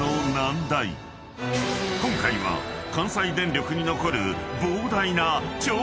［今回は関西電力に残る］